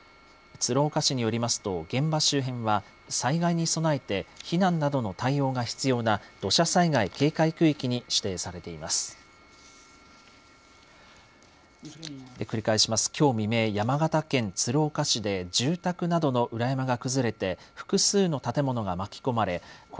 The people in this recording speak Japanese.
鶴岡市によりますと、現場周辺は災害に備えて避難などの対応が必要な土砂災害警戒区域に指定されています。